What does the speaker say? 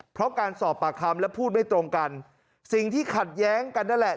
เพราะการสอบปากคำและพูดไม่ตรงกันสิ่งที่ขัดแย้งกันนั่นแหละ